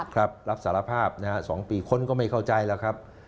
ครับรับสารภาพ๒ปีคนก็ไม่เข้าใจแล้วครับ